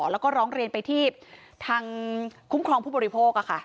แล้วก็ร้องเรียนไปที่ทางคุ้มครองผู้บริโภค